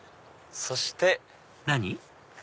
そして。何？